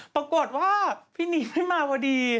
ปรากฏว่าพี่หนีไม่มาพอดี